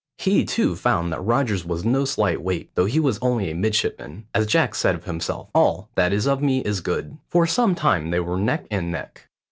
He too found that Rogers was no slight weight, though he was only a midshipman as Jack said of himself, "All that is of me is good." For some time they were neck and neck.